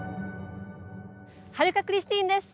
春香クリスティーンです。